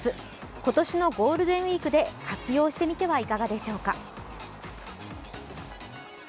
今年のゴールデンウイークで活用してみてはいかがでしょうか。